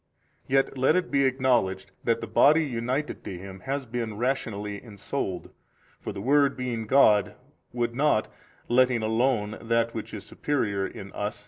Yet let it be acknowledged that the body united to Him has been rationally ensouled: for the Word being God, would not, letting alone that which is superior in us, i.